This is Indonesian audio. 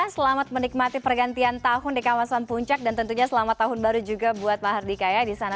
selamat menikmati pergantian tahun di kawasan puncak dan tentunya selamat tahun baru juga buat mahardika ya di sana